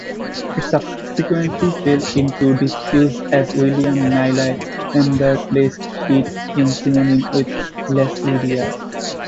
It subsequently fell into disuse as William Nylander placed it in synonymy with "Lecidea".